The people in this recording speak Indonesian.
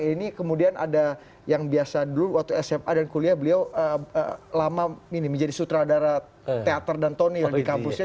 ini kemudian ada yang biasa dulu waktu sma dan kuliah beliau lama menjadi sutradara teater dan tonior di kampusnya